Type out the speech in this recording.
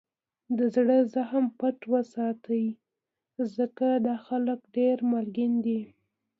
دزړه زخم پټ وساتئ! ځکه دا خلک دېر مالګین دي.